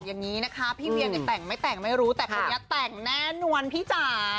อย่างนี้นะคะพี่เวียเนี่ยแต่งไม่แต่งไม่รู้แต่คนนี้แต่งแน่นอนพี่จ๋า